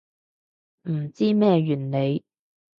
唔知咩原理